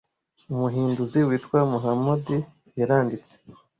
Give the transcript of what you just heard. Umuhinduzi witwa Muhammad yaranditse